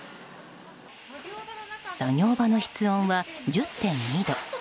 作業場の室温は１０．２度。